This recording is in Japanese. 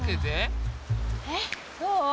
えっどう？